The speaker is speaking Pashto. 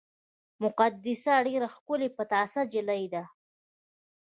مقدسه ډېره ښکلې پټاسه جینۍ ده